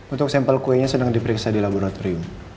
untuk sampel kuenya sedang diperiksa di laboratorium